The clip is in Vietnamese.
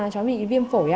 cháu bị viêm phổi ạ